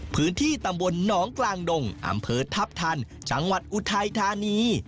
พื้นที่ตำบลหนองกลางดงอำเภอทัพทันจังหวัดอุทัยธานี